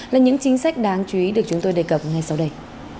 là những chính sách đáng chú ý được chúng tôi đề cập ngay sau đây